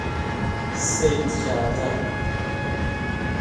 صید کردن